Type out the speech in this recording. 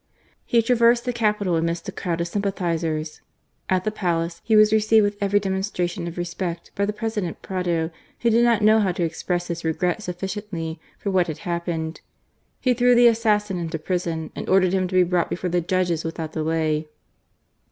He traversed the capital amidst a crowd of sympathizers. At the Palace, he was received with every demonstration of respect by the President Prado, who did not know how to express his regret sufficiently for what had happened. He threw the assassin into prison and ordered him to be brought before the judges without delay.